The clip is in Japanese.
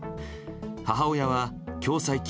母親は共済金